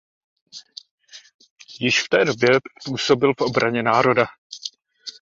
Již v té době působil v Obraně národa.